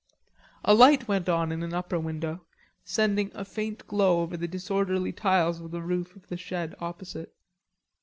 A light went on in an upper window, sending a faint glow over the disorderly tiles of the roof of the shed opposite.